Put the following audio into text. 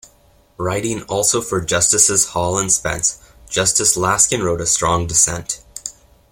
Writing also for Justices Hall and Spence, Justice Laskin wrote a strong dissent.